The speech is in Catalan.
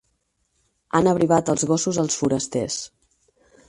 Han abrivat els gossos als forasters.